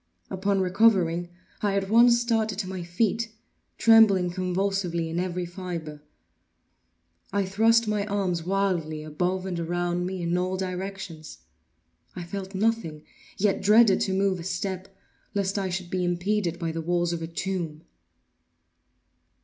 Upon recovering, I at once started to my feet, trembling convulsively in every fibre. I thrust my arms wildly above and around me in all directions. I felt nothing; yet dreaded to move a step, lest I should be impeded by the walls of a tomb.